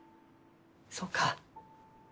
そうか。